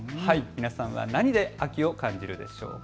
皆さんは何で秋を感じるでしょうか。